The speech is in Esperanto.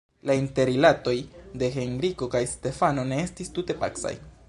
La interrilatoj de Henriko kaj Stefano ne estis tute pacaj.